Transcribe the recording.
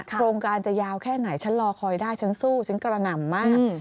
โครงการจะยาวแค่ไหนฉันรอคอยได้ฉันสู้ฉันกระหน่ำมาก